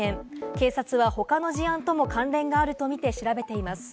警察は他の事案とも関連があるとみて調べています。